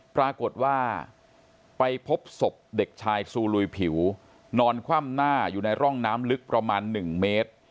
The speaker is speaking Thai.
ปรากฏว่าไปพบศพเด็กชายซูลุยผิวนอนคว่ำหน้าอยู่ในร่องน้ำลึกประมาณ๑เมตร